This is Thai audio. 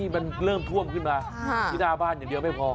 มันเริ่มท่วมขึ้นมาที่หน้าบ้านอย่างเดียวไม่พอ